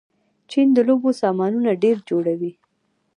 چین د لوبو سامانونه ډېر جوړوي.